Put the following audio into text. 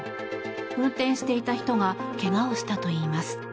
運転していた人が怪我をしたといいます。